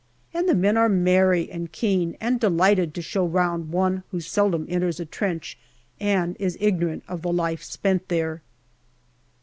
And the men are merry and keen, and delighted to show round one who seldom enters a trench and is ignorant of the life spent there.